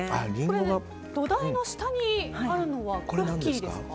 土台の下にあるのはクッキーですか？